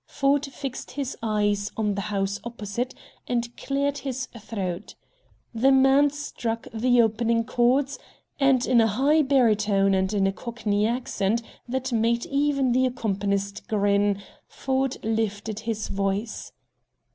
Ford fixed his eyes on the houses opposite, and cleared his throat. The man struck the opening chords, and in a high barytone, and in a cockney accent that made even the accompanist grin, Ford lifted his voice.